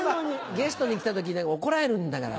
ゲストに来た時に怒られるんだから。